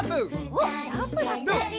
おっジャンプだって。